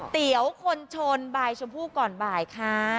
เตี๋ยวคนชนบายชมพู่ก่อนบ่ายค่ะ